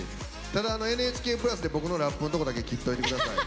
ただあのＮＨＫプラスで僕のラップのとこだけ切っといてください。